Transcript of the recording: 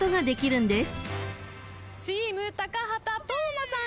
チーム高畑當間さん